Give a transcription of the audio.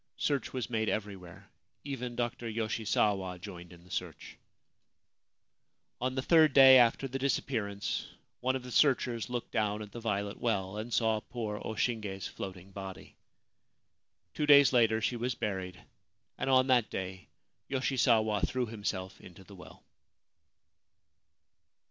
Search was made everywhere ; even Dr. Yoshisawa joined in the search. 25 4 Ancient Tales and Folklore of Japan On the third day after the disappearance one of the searchers looked down the Violet Well, and saw poor O Shinge's floating body. Two days later she was buried, and on that day Yoshisawa threw himself into the well.